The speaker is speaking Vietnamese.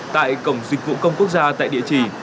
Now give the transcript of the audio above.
tại cổng dịch vụ công quốc gia tại địa chỉ